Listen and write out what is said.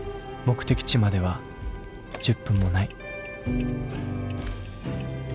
目的地までは１０分もない。